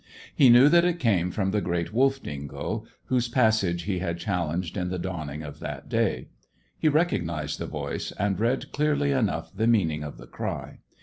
He knew that it came from the great wolf dingo, whose passage he had challenged in the dawning of that day. He recognized the voice, and read clearly enough the meaning of the cry.